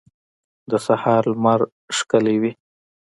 د سهار لمر ښکلی وي.